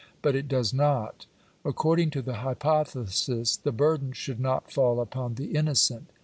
But it does not. According to the hypothesis the burden should not fall upon the innocent.